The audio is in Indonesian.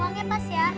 uangnya pas ya